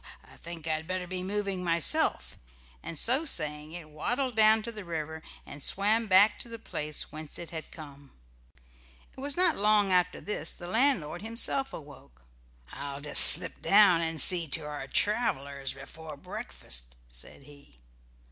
I think I'd better be moving myself," and so saying it waddled down to the river, and swam back to the place whence it had come. It was not long after this the landlord himself awoke. "I'll just slip down and see to the travelers before breakfast," said he.